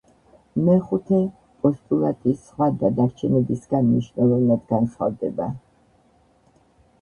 მეხუთე პოსტულატის სხვა დანარჩენებისგან მნიშვნელოვნად განსხვავდება.